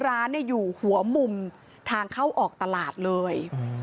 ร้านอยู่หัวมุมทางเข้าออกตลาดเลย